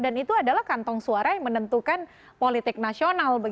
dan itu adalah kantong suara yang menentukan politik nasional